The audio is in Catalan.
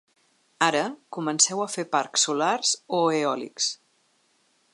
Ara, comenceu a fer parcs solars o eòlics.